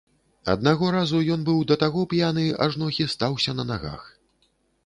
Аднаго разу ён быў да таго п'яны, ажно хістаўся на нагах.